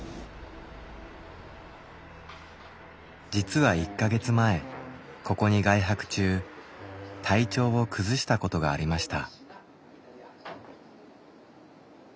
実は１か月前ここに外泊中体調を崩したことがありました。